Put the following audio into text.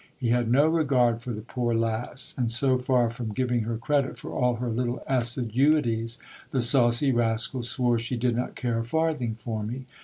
He had no regard for the poor lass : and so far from giving her credit for all her little assiduities, the saucy rascal swore she did not care a farthing for me